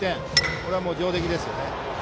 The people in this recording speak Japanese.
これは上出来ですね。